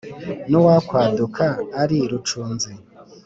n’ uwakwaduka ari rucunzi